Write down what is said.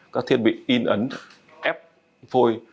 các thiết bị in ấn ép phôi